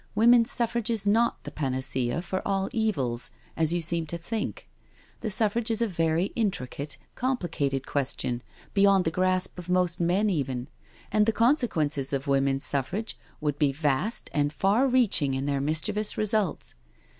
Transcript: Women's Suffrage is not the panacea for all evils, as you seem to thinks The Suffrage is a very intricate, complicated question, beyond the grasp of most men even, and the conse quences of Women's Suffrage would be vast and far reaching in their mischievous results.